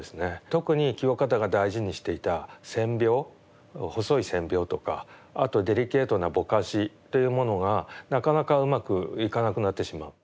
特に清方が大事にしていた線描細い線描とかあとデリケートなぼかしというものがなかなかうまくいかなくなってしまう。